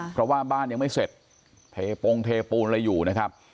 เพราะว่าบ้านยังไม่เสร็จเทปงเทปูนอะไรอยู่นะครับ